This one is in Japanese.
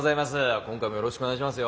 今回もよろしくお願いしますよ。